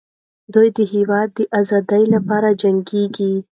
دوی د هېواد د ازادۍ لپاره جنګېږي.